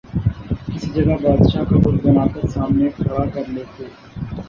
کسی جگہ بادشاہ کا بت بنا کر سامنے کھڑا کرلیتے